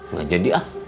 nggak jadi ah